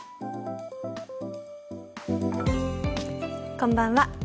こんばんは。